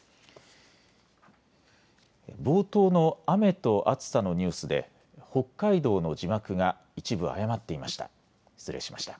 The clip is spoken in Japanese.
冒頭の雨と暑さのニュースで北海道の字幕が一部、誤っていました。